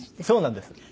そうなんです。